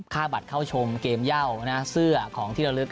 ค่าบัตรเข้าชมเกมเย่าเสื้อของที่ระลึก